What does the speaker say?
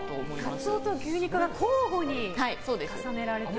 カツオと牛肉が交互に重ねられていると。